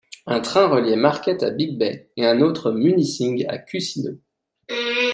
Un train reliait Marquette à Big Bay, et un autre Munising à Cusino.